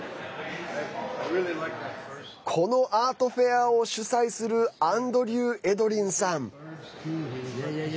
このアートフェアを主催するアンドリュー・エドリンさん。